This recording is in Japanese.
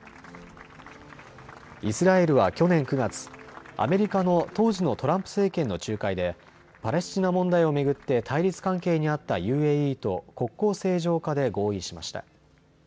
イスラエルは去年９月、アメリカの当時のトランプ政権の仲介でパレスチナ問題を巡って対立関係にあったＵＡＥと国交正常化で合意しました。